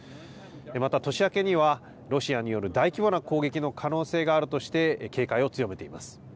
また、年明けにはロシアによる大規模な攻撃の可能性があるとして、警戒を強めています。